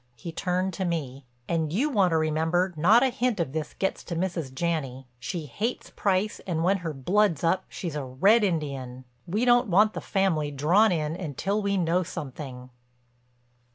He turned to me. "And you want to remember not a hint of this gets to Mrs. Janney. She hates Price and when her blood's up she's a red Indian. We don't want the family drawn in until we know something."